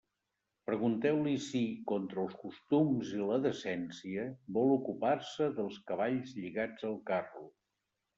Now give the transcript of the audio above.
Pregunteu-li si, contra els costums i la decència, vol ocupar-se dels cavalls lligats al carro.